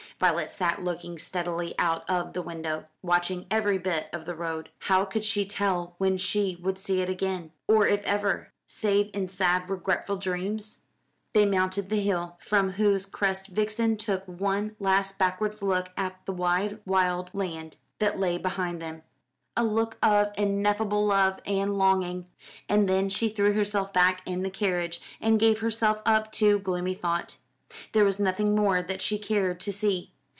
Violet sat looking steadily out of the window, watching every bit of the road. How could she tell when she would see it again or if ever, save in sad regretful dreams? They mounted the hill, from whose crest Vixen took one last backwards look at the wide wild land that lay behind them a look of ineffable love and longing. And then she threw herself back in the carriage, and gave herself up to gloomy thought. There was nothing more that she cared to see.